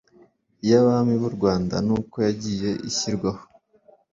y'abami b'u Rwanda n'uko yagiye ishyirwaho.